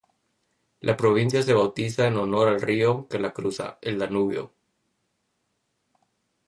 La provincia se bautiza en honor al río que la cruza, el Danubio.